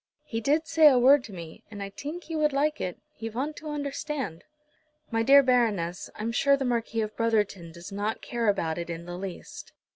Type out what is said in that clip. "He did say a word to me, and I tink he would like it. He vant to understand." "My dear Baroness, I'm sure the Marquis of Brotherton does not care about it in the least.